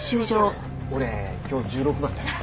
俺今日１６番だから。